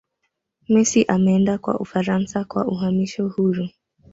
messi ameenda kwa ufaransa kwa uhamisho huru